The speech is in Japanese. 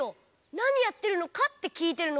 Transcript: なにやってるのかってきいてるの！